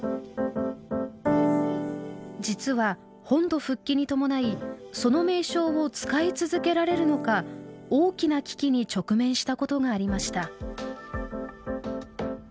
実は本土復帰に伴いその名称を使い続けられるのか大きな危機に直面したことがありました。